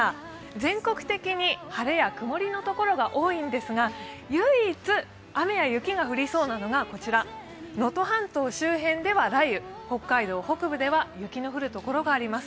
全国的に晴れや曇りのところが多いんですが唯一、雨や雪が降りそうなのが能登半島周辺では雷雨、北海道北部では雪の降る所があります。